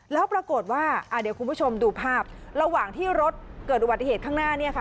แล้วปรากฏว่าเดี๋ยวคุณผู้ชมดูภาพระหว่างที่รถเกิดอุบัติเหตุข้างหน้าเนี่ยค่ะ